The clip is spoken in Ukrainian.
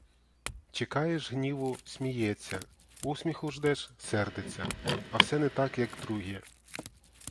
Чекаєш гніву, — сміється; усміху ждеш, — сердиться, а все не так, як другі.